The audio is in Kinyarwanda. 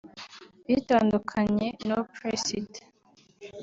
bitandukanye no Press It